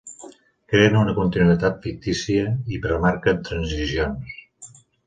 Creen una continuïtat fictícia i remarquen transicions.